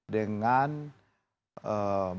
dengan membangun kota baru